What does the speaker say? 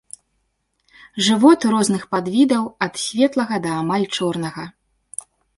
Жывот у розных падвідаў ад светлага да амаль чорнага.